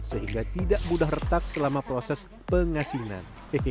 sehingga tidak mudah retak selama proses pengasinan